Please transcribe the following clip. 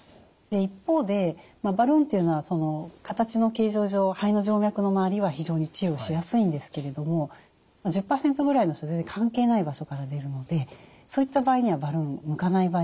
一方でバルーンっていうのは形の形状上肺の静脈の周りは非常に治療しやすいんですけれども１０％ぐらいの人は全然関係ない場所から出るのでそういった場合にはバルーン向かない場合もありますよね。